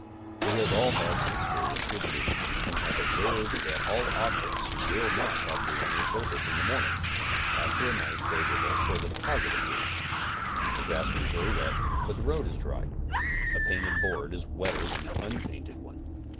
We have all' had some experience with dew and have ob served that all objects will not have dew on their surfaces in the morning, after a night favorable to the deposit of dew. The grass will be very wet, but the road is dry. A painted board is wetter than an unpainted one.